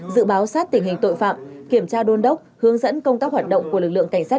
dự báo sát tình hình tội phạm kiểm tra đôn đốc hướng dẫn công tác hoạt động của lực lượng cảnh sát